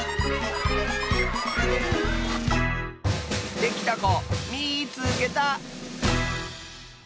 できたこみいつけた！